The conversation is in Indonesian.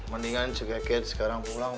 mendingan ceket sekarang pulang